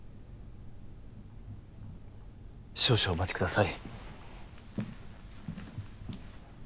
少々お待ちください